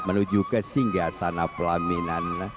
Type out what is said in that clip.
menuju ke singgah sana pelaminan